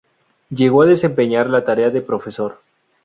Llegó a desempeñar la tarea de profesor.